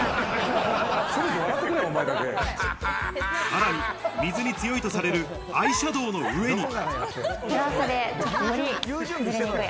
さらに水に強いとされるアイシャドウの上に。